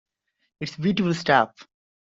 It’s beautiful stuff.